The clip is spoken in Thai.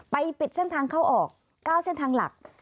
ปิดเส้นทางเข้าออก๙เส้นทางหลัก